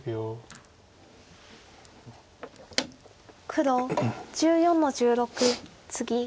黒１４の十六ツギ。